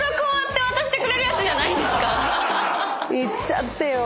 いっちゃってよ